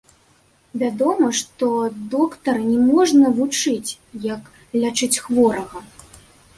Вядома, што доктара не можна вучыць, як лячыць хворага.